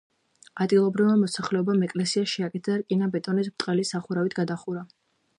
ადგილობრივმა მოსახლეობამ ეკლესია შეაკეთა და რკინა-ბეტონის ბრტყელი სახურავით გადახურა.